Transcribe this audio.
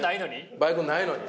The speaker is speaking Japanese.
バイクないのに。